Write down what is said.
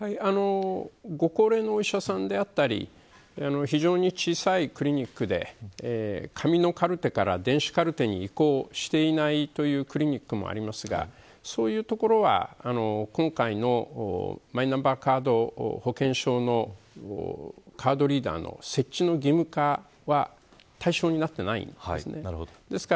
ご高齢のお医者さんであったり非常に小さいクリニックで紙のカルテから電子カルテに移行していないクリニックもありますがそういうところは今回のマイナンバーカード保険証のカードリーダーの設置の義務化は対象になっていないんです。